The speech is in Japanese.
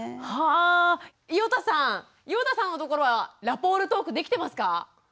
はあ伊與田さん！伊與田さんのところはラポールトークできてますか？